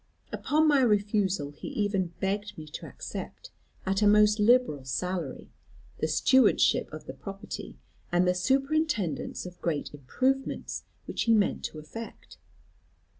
Upon my refusal, he even begged me to accept, at a most liberal salary, the stewardship of the property, and the superintendence of great improvements, which he meant to effect.